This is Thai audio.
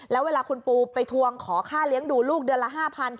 แล้วเวลาคุณปูไปทวงขอค่าเลี้ยงดูลูกเดือนละ๕๐๐